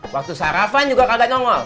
waktu sarapan juga kagak nongol